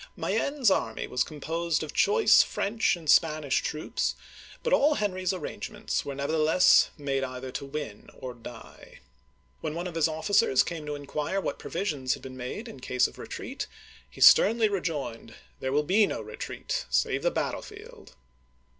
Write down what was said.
Mayenne*s army was composed of choice French and Spanish troops, but all Henry's arrangements were never theless made either to win or to die. When one of his officers come to inquire what provisions had been made in case of retreat, he sternly rejoined, " There will be no retreat save the battlefield